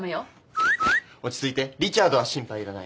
落ち着いてリチャードは心配いらない。